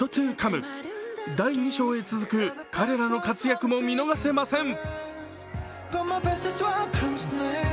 第２章へ続く、彼らの活躍も見逃せません。